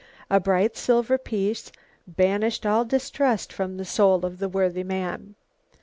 A bright silver piece banished all distrust from the soul of the worthy man.